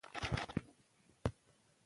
خمیر باید په تاوده ځای کې کېږدئ.